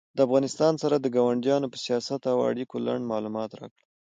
د افغانستان سره د کاونډیانو په سیاست او اړیکو لنډ معلومات راکړه